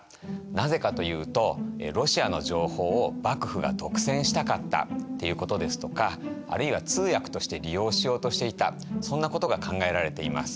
なぜかというとロシアの情報を幕府が独占したかったっていうことですとかあるいは通訳として利用しようとしていたそんなことが考えられています。